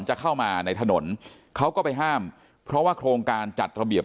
จะเข้ามาในถนนเขาก็ไปห้ามเพราะว่าโครงการจัดระเบียบ